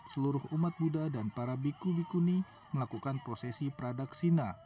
seluruh umat buddha dan para biku bikuni melakukan prosesi pradaksina